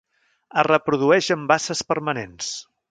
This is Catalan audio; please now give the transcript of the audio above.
Es reprodueix en basses permanents.